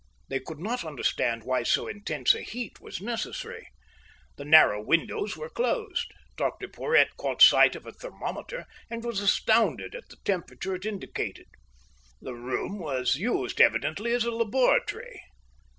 They could not understand why so intense a heat was necessary. The narrow windows were closed. Dr Porhoët caught sight of a thermometer and was astounded at the temperature it indicated. The room was used evidently as a laboratory.